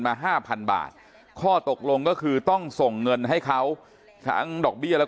ห้าพันบาทข้อตกลงก็คือต้องส่งเงินให้เขาทั้งดอกเบี้ยและ